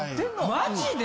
マジで！？